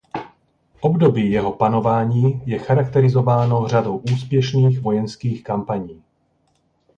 Období jeho panování je charakterizováno řadou úspěšných vojenských kampaní.